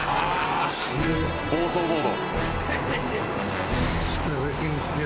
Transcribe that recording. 「暴走モード」